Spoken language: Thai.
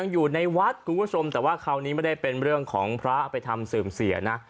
อยู่ในวัดกุ๊กวชมแต่คราวนี้ไม่ได้เป็นเรื่องของพระทำเสื่อมเศียร